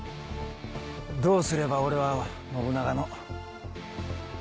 どうすれば俺は信長の。